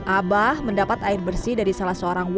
abah mendapat air bersih dari salah sebuah perusahaan